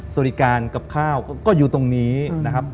สวัสดีการกับข้าวก็อยู่ตรงนี้นะครับ